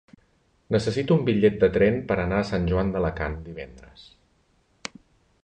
Necessito un bitllet de tren per anar a Sant Joan d'Alacant divendres.